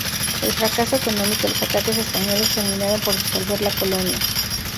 El fracaso económico y los ataques españoles terminaron por disolver la colonia.